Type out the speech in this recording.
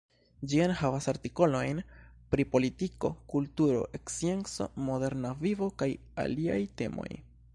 Ĝi enhavas artikolojn pri politiko, kulturo, scienco, moderna vivo kaj aliaj temoj.